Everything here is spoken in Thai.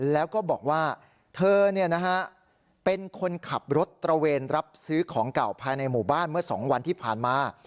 แล้วก็บอกว่าเธอเป็นคนขับรถตระเวนรับซื้อของเก่าภายในหมู่บ้านเมื่อ๒วันที่ผ่านมา